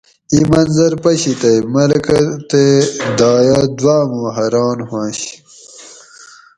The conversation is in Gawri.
ایں منظر پشی تے ملکہ تے دایہ دوآمو حران ہوئنش